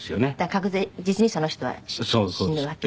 確実にその人は死ぬわけ。